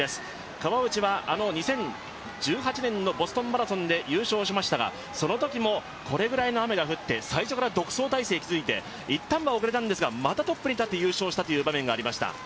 川内はあの２０１８年のボストランマラソンで優勝しましたが、そのときもこれぐらいの雨が降って、最初から独走態勢を築いて、一旦は遅れたんですが、またトップに立って優勝したという場面がありました。